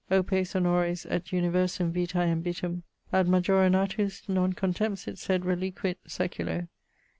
Opes, honores, et universum vitae ambitum, Ad majora natus, non contempsit sed reliquit seculo.